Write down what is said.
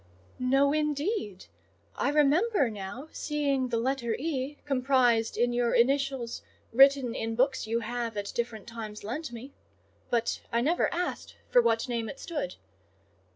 "No, indeed! I remember now seeing the letter E. comprised in your initials written in books you have at different times lent me; but I never asked for what name it stood.